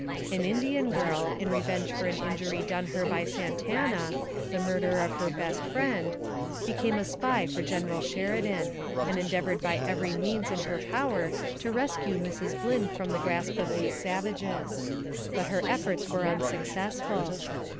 An Indian girl, in revenge for an injury done her by Santana, the murder of her best friend, became a spy for General Sheridan, and endeavored by every means in her power to rescue Mrs. Blynn from the grasp of these savages; but her efforts were unsuccess ful.